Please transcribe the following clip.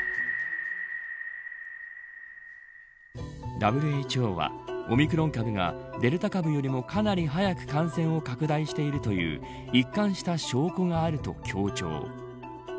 ＷＨＯはオミクロン株がデルタ株よりもかなり速く感染を拡大しているという一貫した証拠があると強調。